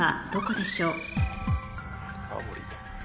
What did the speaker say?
青森。